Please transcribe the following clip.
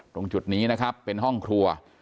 ตรงจุดนี้นะครับเป็นห้องครัว